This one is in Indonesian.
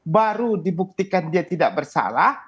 baru dibuktikan dia tidak bersalah